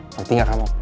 ngerti gak kamu